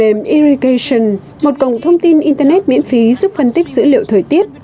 phần mềm irrigation một cổng thông tin internet miễn phí giúp phân tích dữ liệu thời tiết